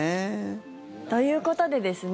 ということでですね